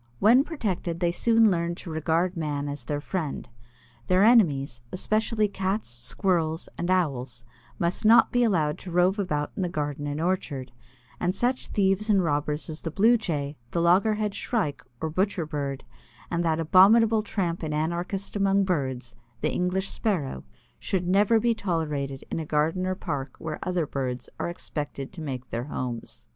When protected, they soon learn to regard man as their friend. Their enemies, especially Cats, Squirrels, and Owls, must not be allowed to rove about in the garden and orchard, and such thieves and robbers as the Blue Jay, the Loggerhead Shrike or Butcher Bird, and that abominable tramp and anarchist among birds, the English Sparrow, should never be tolerated in a garden or park where other birds are expected to make their homes.